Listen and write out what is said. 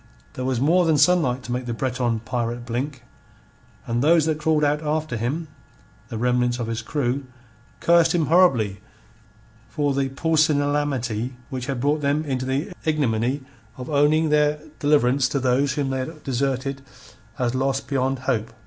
There was more than sunlight to make the Breton pirate blink. And those that crawled out after him the remnants of his crew cursed him horribly for the pusillanimity which had brought them into the ignominy of owing their deliverance to those whom they had deserted as lost beyond hope.